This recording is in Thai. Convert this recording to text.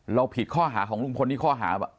ผิดข้อหาของลุงพลนี่ข้อหา